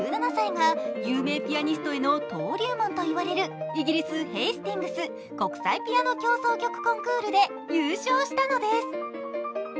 １７歳が有名ピアニストへの登竜門と言われるイギリス・ヘイスティングス国際ピアノ協奏曲コンクールで優勝したのです！